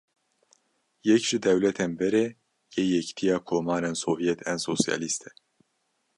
Yek ji dewletên berê yê Yekîtiya Komarên Sovyet ên Sosyalîst e.